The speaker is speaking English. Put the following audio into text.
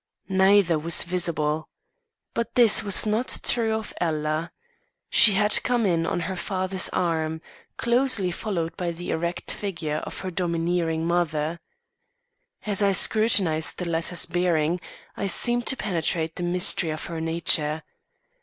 Neither was visible. But this was not true of Ella. She had come in on her father's arm, closely followed by the erect figure of her domineering mother. As I scrutinised the latter's bearing, I seemed to penetrate the mystery of her nature.